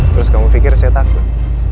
terus kamu pikir saya takut